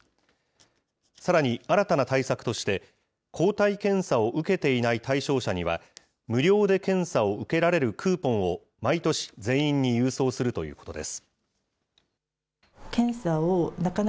さらに新たな対策として、抗体検査を受けていない対象者には、無料で検査を受けられるクーポンを毎年、全員に郵送するということです。